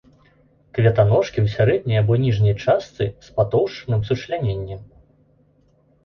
Кветаножкі ў сярэдняй або ніжняй частцы з патоўшчаным сучляненнем.